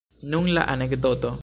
Nun la anekdoto.